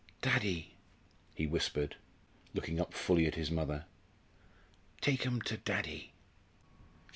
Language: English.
"Daddy!" he whispered, looking up fully at his mother; "take 'em to Daddy!"